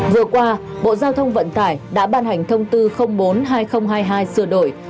vừa qua bộ giao thông vận tải đã ban hành thông tư bốn hai nghìn hai mươi hai sửa đổi